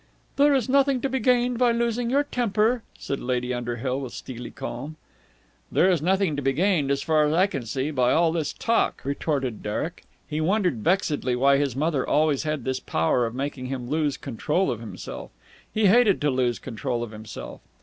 "There is nothing to be gained by losing your temper," said Lady Underhill with steely calm. "There is nothing to be gained, as far as I can see, by all this talk," retorted Derek. He wondered vexedly why his mother always had this power of making him lose control of himself. He hated to lose control of himself.